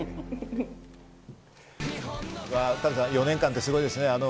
４年間ですごいですね。